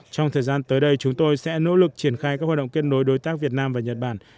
trong thời gian tới đây chúng tôi sẽ nỗ lực triển khai các hoạt động kết nối đối tác việt nam và nhật bản